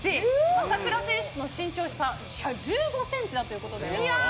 朝倉選手と身長差１５ｃｍだということです。